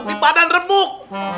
di badan remuk